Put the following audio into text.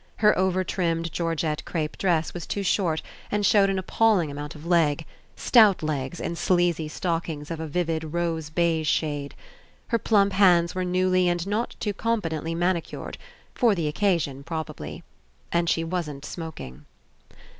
Her over trimmed Geor gette crepe dress was too short and showed an appalling amount of leg, stout legs In sleazy stockings of a vivid rose beige shade. Her plump hands were newly and not too compe tently manicured — for the occasion, probably. And she wasn't smoking.